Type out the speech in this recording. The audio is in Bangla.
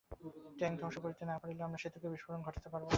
ট্যাঙ্ক ধ্বংস না করতে পারলে আমরা সেতুতে বিস্ফোরণ ঘটাতে পারব না।